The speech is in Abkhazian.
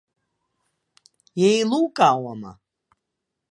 Иеилукаауама.